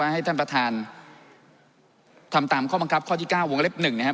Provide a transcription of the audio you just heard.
ให้ท่านประธานทำตามข้อบังคับข้อที่๙วงเล็บ๑นะครับ